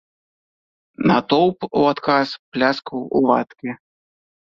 Натоўп у адказ пляскаў у ладкі.